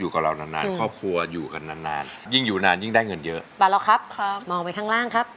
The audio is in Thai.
ไม่ใช้ครับ